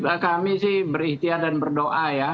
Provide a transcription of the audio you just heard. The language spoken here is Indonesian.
ya kami sih berikhtiar dan berdoa ya